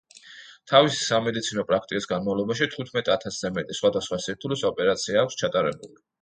თავისი სამედიცინო პრაქტიკის განმავლობაში თხუთმეტ ათასზე მეტი სხვადასხვა სირთულის ოპერაცია აქვს ჩატარებული.